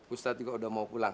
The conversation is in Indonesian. ustadz juga udah mau pulang